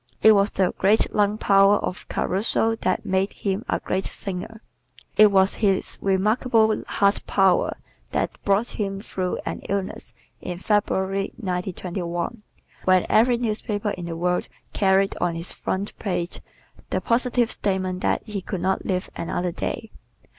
It was the great lung power of Caruso that made him a great singer. It was his remarkable heart power that brought him through an illness in February, 1921, when every newspaper in the world carried on its front page the positive statement that he could not live another day.